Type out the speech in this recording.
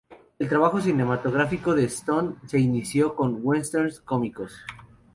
El trabajo cinematográfico de Stone se inició con westerns cómicos.